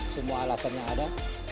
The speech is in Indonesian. semua alasannya ada